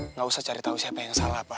nggak usah cari tahu siapa yang salah pak